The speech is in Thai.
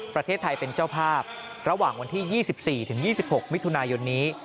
ประเทศไทยเป็นเจ้าภาพระหว่างวันที่๒๔ถึง๒๖มิถุนายนนี้